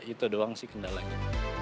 itu doang sih kendalanya